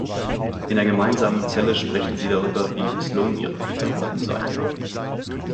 In der gemeinsamen Zelle sprechen sie darüber, wie misslungen ihre Flitterwochen seien.